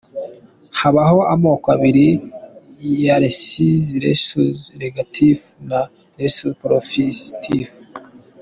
Habaho amoko abiri ya Rezisi:Rhesus negatif na Rhesus Positif.